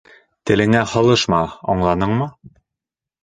Телеңә һалышма, аңланыңмы?